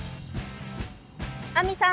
亜美さん